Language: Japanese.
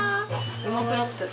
・うまくなってる。